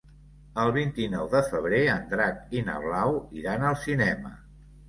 El vint-i-nou de febrer en Drac i na Blau iran al cinema.